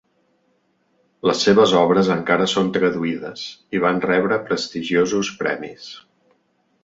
Les seves obres encara són traduïdes i van rebre prestigiosos premis.